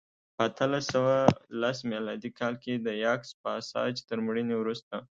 په اته سوه لس میلادي کال کې د یاکس پاساج تر مړینې وروسته